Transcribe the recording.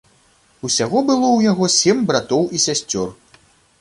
Усяго было ў яго сем братоў і сясцёр.